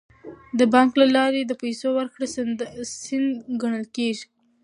د بانک له لارې د پیسو ورکړه سند ګڼل کیږي.